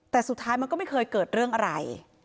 แต่สุดท้ายมันก็ไม่เคยเกิดเรื่องอะไร